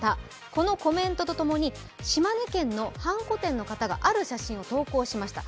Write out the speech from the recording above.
このコメントとともに、島根県のはんこ店の方がある写真を投稿しました。